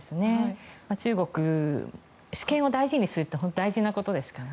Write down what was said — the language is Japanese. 中国、主権を大事にするって大事なことですから。